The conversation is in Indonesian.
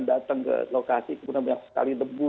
datang ke lokasi kemudian banyak sekali debu